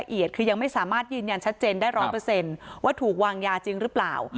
รายละเอียดคือยังไม่สามารถยืนยันชัดเจนได้ร้อนเปอร์เซ็นต์ว่าถูกวางยาจริงหรือเปล่า